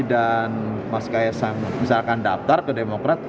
dan mas kaya sang misalkan daftar ke demokrat